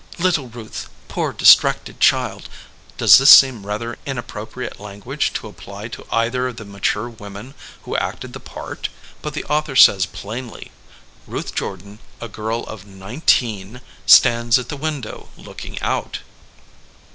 ''Little Ruth, poor, distracted child!" Does this seem rather inappropriate language to apply to either of the mature women who acted the part? But the author says plainly: ''Ruth Jordan, a girl of nineteen, stands at the window looking out.